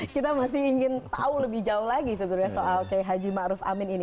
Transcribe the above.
kita masih ingin tahu lebih jauh lagi sebenarnya soal haji ma'ruf amin ini